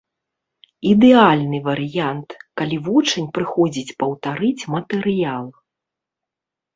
Ідэальны варыянт, калі вучань прыходзіць паўтарыць матэрыял.